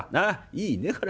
いいねこら。